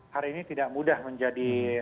hari ini tidak mudah menjadi